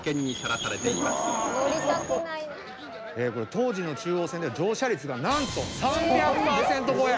当時の中央線では乗車率がなんと３００％超え。